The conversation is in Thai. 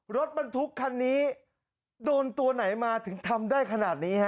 รถบรรทุกคันนี้โดนตัวไหนมาถึงทำได้ขนาดนี้ฮะ